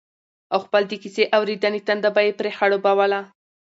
او خپل د کيسې اورېدنې تنده به يې پرې خړوبوله